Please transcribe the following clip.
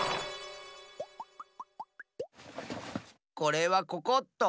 これはここっと。